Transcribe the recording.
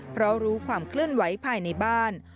เพราะรู้ความเคลื่อนไหวภายในบ้าน